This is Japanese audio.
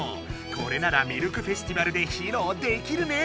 これならミルクフェスティバルでひろうできるね！